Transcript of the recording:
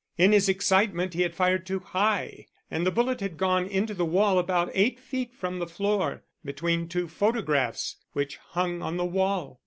In his excitement he had fired too high, and the bullet had gone into the wall about eight feet from the floor, between two photographs which hung on the wall.